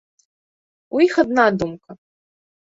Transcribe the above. У іх адна думка.